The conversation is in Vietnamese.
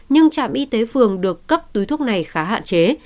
nhưng trạm y tế phường được cấp túi thuốc này khá hạn chế